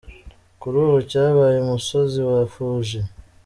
Kuri ubu cyabaye umusozi wa Fuji.